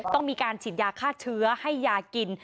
ต้องมีการฉีดยาฆ่าเชื้อให้ยากิน